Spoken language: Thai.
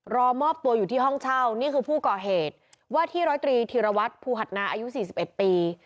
รอมอบตัวอยู่ที่ห้องเช่านี่คือผู้ก่อเหตุว่าที่ร้อยตรีธีรวัตรภูหัดนาอายุ๔๑ปี